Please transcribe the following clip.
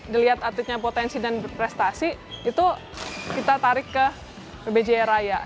dilihat atletnya potensi dan berprestasi itu kita tarik ke pb jaya raya